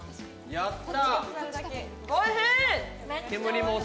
やった。